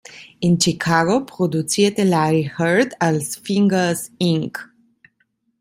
In Chicago produzierte Larry Heard als Fingers Inc.